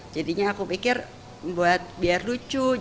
jadinya aku pikir biar lucu